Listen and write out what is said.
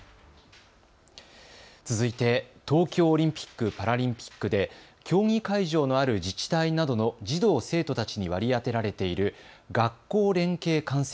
続いて東京オリンピック・パラリンピックで競技会場のある自治体などの児童・生徒たちに割り当てられている学校連携観戦